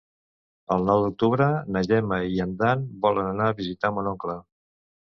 El nou d'octubre na Gemma i en Dan volen anar a visitar mon oncle.